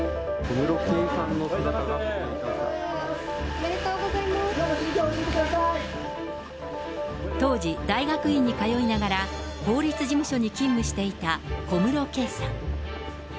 今の心境を教えてく当時、大学院に通いながら法律事務所に勤務していた小室圭さん。